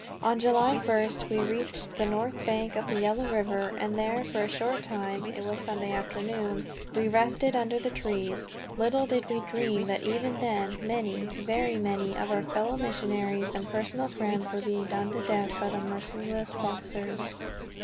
On July first we reached the north bank of the Yellow River, and there for a short time (it was Sunday afternoon) we rested under the trees. Little did we dream that even then many, very many, of our fellow missionaries and personal friends were being done to death by the merciless Boxers.